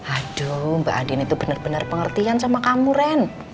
aduh mbak adin itu benar benar pengertian sama kamu ren